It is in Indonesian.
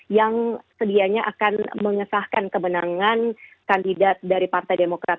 yang sedianya akan mengesahkan kemenangan kandidat dari partai demokrat